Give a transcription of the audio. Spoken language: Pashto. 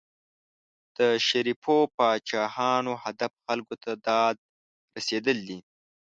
د شریفو پاچاهانو هدف خلکو ته داد رسېدل دي.